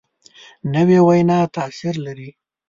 نوې وینا تاثیر لري